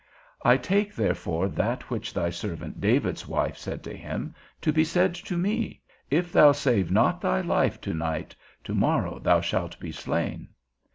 I take therefore that which thy servant David's wife said to him, to be said to me, If thou save not thy life to night, to morrow thou shalt be slain.